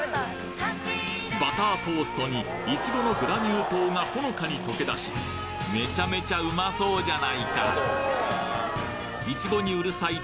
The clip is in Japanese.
バタートーストにイチゴのグラニュー糖がほのかに溶け出しめちゃめちゃうまそうじゃないか！